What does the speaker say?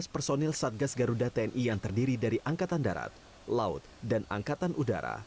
lima belas personil satgas garuda tni yang terdiri dari angkatan darat laut dan angkatan udara